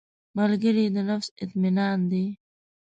ملګری د نفس اطمینان دی